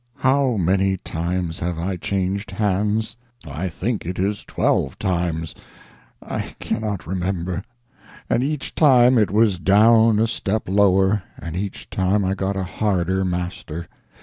How many times have I changed hands? I think it is twelve times—I cannot remember; and each time it was down a step lower, and each time I got a harder master.